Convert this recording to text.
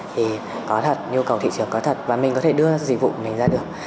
thì có thật nhu cầu thị trường có thật và mình có thể đưa dịch vụ của mình ra được